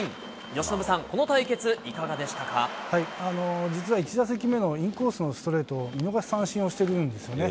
由伸さん、この対決、いかがでし実は１打席目のインコースのストレートを、見逃し三振をしてるんですよね。